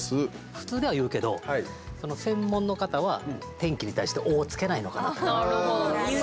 普通では言うけど専門の方は天気に対して「お」をつけないのかなと。